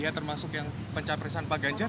ya termasuk yang pencapresan pak ganjar